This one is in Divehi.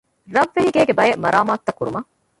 ރަށްވެހިގޭގެ ބައެއް މަރާމާތުތައް ކުރުމަށް